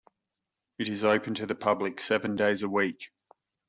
It is open to the public seven days a week.